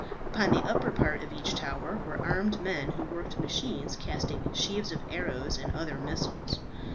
Upon the upper part of each tower were armed men who worked machines casting sheaves of arrows and other missiles.